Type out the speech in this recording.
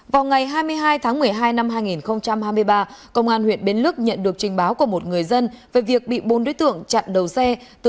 vào ngày hai mươi hai tháng một mươi hai năm hai nghìn hai mươi ba công an huyện bến lức nhận được trình báo của một người dân về việc bị bốn đối tượng chặn đầu xe